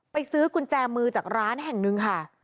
ซื้อกุญแจมือจากร้านแห่งหนึ่งค่ะ